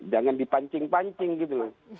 jangan dipancing pancing gitu